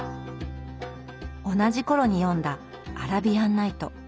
同じ頃に読んだ「アラビアン・ナイト」。